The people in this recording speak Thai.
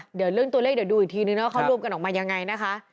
เดี๋ยวเรื่องตัวเลขเดี๋ยวดูอีกทีนึงว่าเขารวมกันออกมายังไงนะคะ